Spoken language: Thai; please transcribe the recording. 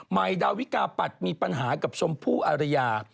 มายดาวิกาปัดมีปัญหากับชมผู้อรยา